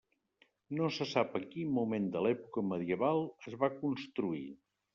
No se sap en quin moment de l'època medieval es va construir.